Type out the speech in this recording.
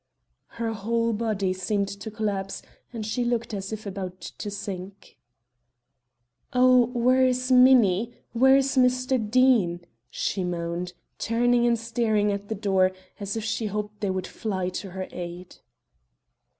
Her whole body seemed to collapse and she looked as if about to sink. "Oh, where is Minnie? Where is Mr. Deane?" she moaned, turning and staring at the door, as if she hoped they would fly to her aid.